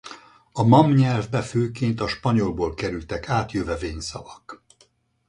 A mam nyelvbe főként a spanyolból kerültek át jövevényszavak.